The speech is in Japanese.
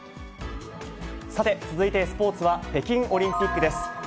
さて、続いてスポーツは、北京オリンピックです。